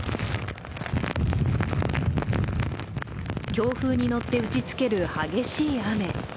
強風に乗って打ちつける激しい雨。